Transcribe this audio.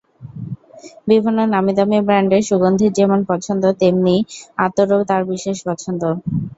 বিভিন্ন নামীদামি ব্র্যান্ডের সুগন্ধির যেমন পছন্দ, তেমনি আতরও তাঁর বিশেষ পছন্দ।